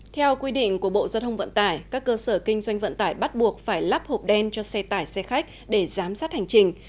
theo quy định của bộ giao thông vận tải các cơ sở kinh doanh vận tải bắt buộc phải lắp hộp đen cho xe tải xe khách để giám sát hành trình